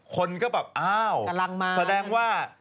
คนก็แบบอ้าว